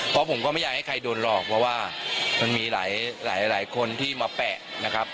เพราะผมก็ไม่อยากให้ใครโดนหรอกเพราะว่ามันมีหลายคนที่มาแปะนะครับ